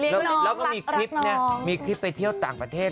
แล้วก็มีคลิปเนี่ยมีคลิปไปเที่ยวต่างประเทศ